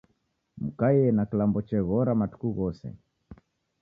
Mukaie na kilambo cheghora matuku ghose